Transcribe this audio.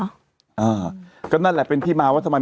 เออก็นั่นแหละเป็นที่มาวัฒนบัน